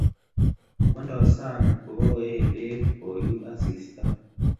Mangdoi sang' kuikuie beet koyuu asista